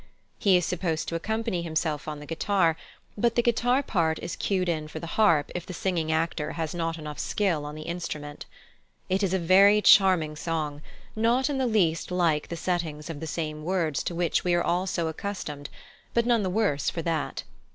He is supposed to accompany himself on the guitar, but the guitar part is cued in for the harp if the singing actor has not enough skill on the instrument. It is a very charming song, not in the least like the settings of the same words to which we are all so accustomed, but none the worse for that.